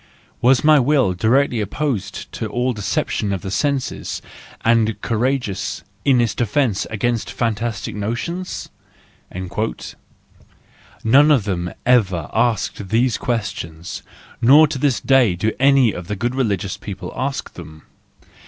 Was my will directly opposed to all deception of the senses, and courageous in its defence against fan¬ tastic notions?" — None of them ever asked these questions, nor to this day do any of the good religious people ask them.